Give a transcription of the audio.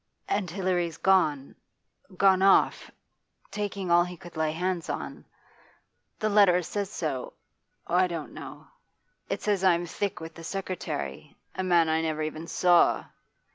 And Hilary's gone gone off taking all he could lay hands on. The letter says so I don't know. It says I'm thick with the secretary a man I never even saw.